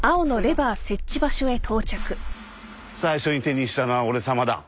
最初に手にしたのは俺さまだ。